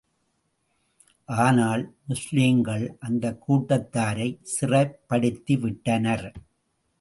ஆனால், முஸ்லிம்கள், அந்தக் கூட்டத்தாரைச் சிறைப்படுத்தி விட்டனர்.